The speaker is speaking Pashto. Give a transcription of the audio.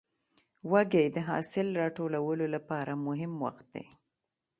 وږی د حاصل راټولو لپاره مهم وخت دی.